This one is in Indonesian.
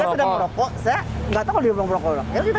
ya kita ingat pak